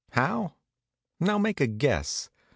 How? Now make a guess.